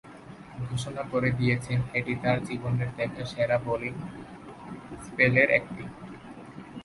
ঘোষণা করে দিচ্ছেন, এটি তাঁর জীবনে দেখা সেরা বোলিং স্পেলের একটি।